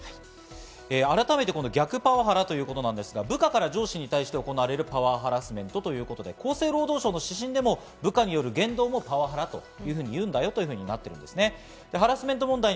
改めて逆パワハラということですが部下から上司に対して行われるパワーハラスメントということで、厚生労働省の指針でも部下による言動もパワハラというふうに言うというふうになっています。